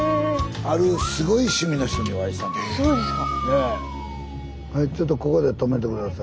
あるすごい趣味の人にお会いしたんですよ。